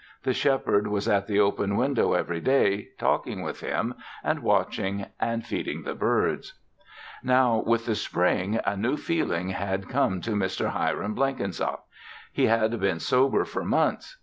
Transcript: The Shepherd was at the open window every day, talking with him and watching and feeding the birds. Now, with the spring, a new feeling had come to Mr. Hiram Blenkinsop. He had been sober for months.